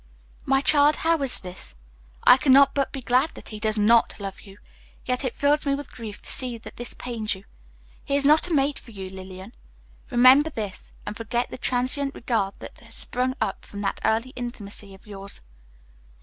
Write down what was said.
"My child, how is this? I cannot but be glad that he does not love you; yet it fills me with grief to see that this pains you. He is not a mate for you, Lillian. Remember this, and forget the transient regard that has sprung up from that early intimacy of yours."